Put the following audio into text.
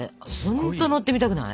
ほんと乗ってみたくない？